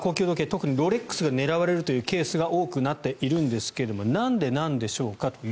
特にロレックスが狙われるケースが多くなっているんですがなんでなんでしょうか。